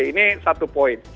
ini satu poin